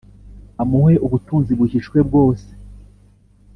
Amuhe ubutunzi buhishwe bwose